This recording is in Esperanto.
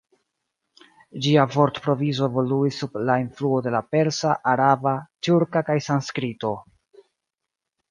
Ĝia vortprovizo evoluis sub la influo de la persa, araba, tjurka kaj sanskrito.